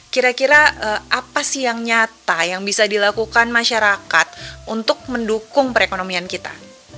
kira kira apa sih yang nyata yang bisa dilakukan masyarakat untuk mendukung perekonomian kita